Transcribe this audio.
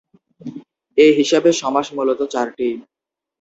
এ হিসেবে সমাস মূলত চারটি।